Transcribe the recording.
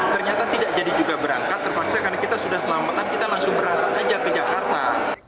ternyata tidak jadi juga berangkat terpaksa karena kita sudah selamatan kita langsung berangkat aja ke jakarta